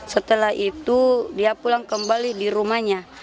setelah itu dia pulang kembali di rumahnya